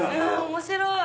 面白い！